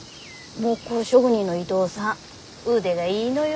木工職人の伊藤さん腕がいいのよ。